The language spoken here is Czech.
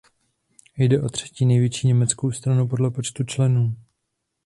Jde o třetí největší německou stranu podle počtu členů.